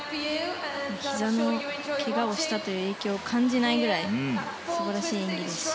ひざのけがをしたという影響を感じないくらい素晴らしい演技でした。